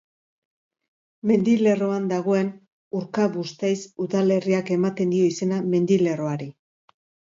Mendilerroan dagoen Urkabustaiz udalerriak ematen dio izena mendilerroari.